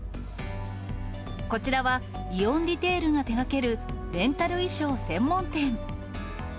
こちらはイオンリテールが手がけるレンタル衣装専門店。